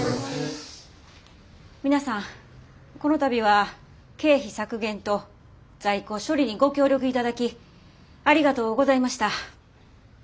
皆さんこの度は経費削減と在庫処理にご協力いただきありがとうございました。